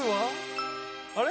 あれ？